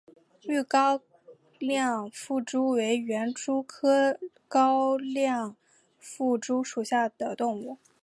豫高亮腹蛛为园蛛科高亮腹蛛属的动物。